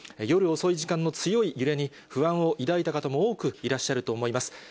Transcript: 夜遅い時間の強い揺れに不安を抱いた方も多くいらっしゃると思います。